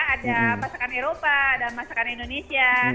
ada masakan eropa ada masakan indonesia